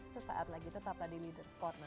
sesaat lagi tetap lagi di leaders' corner